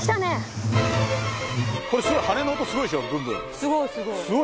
すごいすごい。